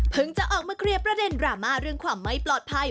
จะออกมาเคลียร์ประเด็นดราม่าเรื่องความไม่ปลอดภัย